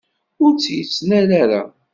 Ur tt-yettnal ara.